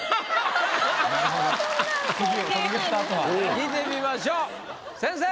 聞いてみましょう先生！